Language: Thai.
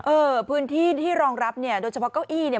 เออพื้นที่ที่รองรับเนี่ยโดยเฉพาะเก้าอี้เนี่ย